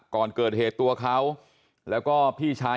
ก่อนเกิดเหตุตัวเขา